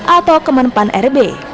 atau kemenpan rb